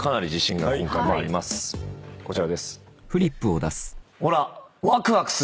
こちらです。